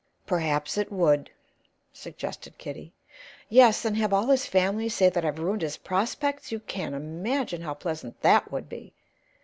"Perhaps it would," suggested Kitty. "Yes, and have all his family say that I've ruined his prospects you can imagine how pleasant that would be!